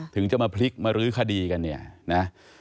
ถึงจะมาพลิกมารื้อคดีกัน